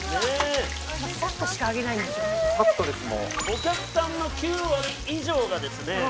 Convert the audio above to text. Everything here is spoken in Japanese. お客さんの９割以上がですね